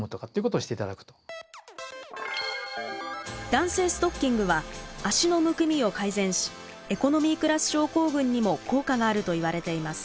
弾性ストッキングは足のむくみを改善しエコノミークラス症候群にも効果があるといわれています。